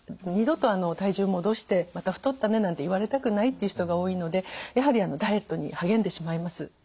二度と体重を戻して「また太ったね」なんて言われたくないっていう人が多いのでやはりダイエットに励んでしまいます。